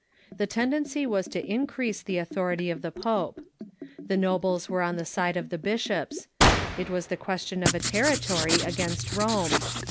The tendency was to increase the authority of the pope. The nobles Avere on the side of the bishops. It was the question of a territory against Rome.